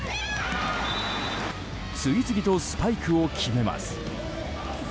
次々とスパイクを決めます。